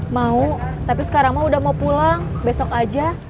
mau tapi sekarang mah udah mau pulang besok aja